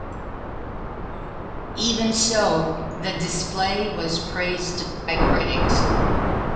Even so, the display was praised by critics.